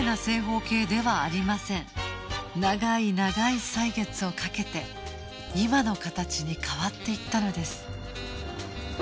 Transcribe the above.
長い長い歳月をかけて今の形に変わっていったのです